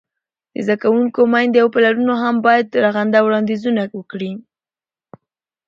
د زده کوونکو میندې او پلرونه هم باید رغنده وړاندیزونه وکړي.